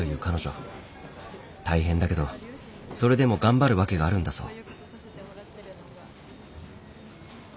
大変だけどそれでも頑張る訳があるんだそう。